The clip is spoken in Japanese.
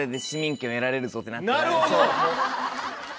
なるほど！